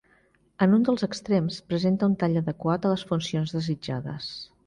En un dels extrems presenta un tall adequat a les funcions desitjades.